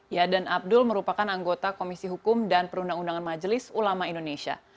ya dan abdul merupakan anggota komisi hukum dan perundang undangan majelis ulama indonesia